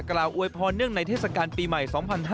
กล่าวอวยพอเนื่องในเทศกาลปีใหม่๒๕๖๓